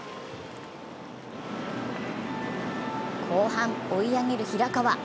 後半、追い上げる平河。